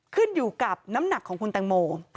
ขึ้นอยู่กับน้ำหนักของคุณแตงโม